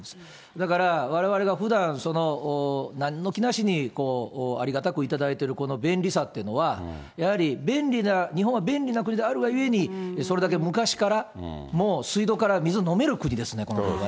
だからわれわれがふだん、なんの気なしにありがたく頂いているこの便利さっていうのは、やはり日本は便利な国であるがゆえに、それだけ昔からもう水道から水飲める国ですね、この国は。